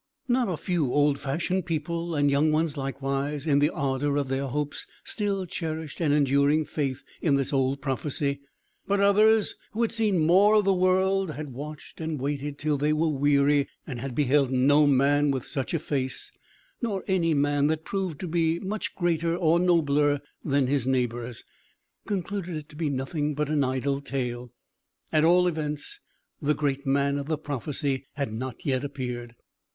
Not a few old fashioned people, and young ones likewise, in the ardour of their hopes, still cherished an enduring faith in this old prophecy. But others who had seen more of the world had watched and waited till they were weary, and had beheld no man with such a face, nor any man that proved to be much greater or nobler than his neighbours, concluded it to be nothing but an idle tale. At all events, the great man of the prophecy had not yet appeared.